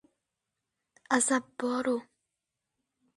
Shu ayoli hadeb podsholik ishiga aralasha beribdi, aralasha beribdi.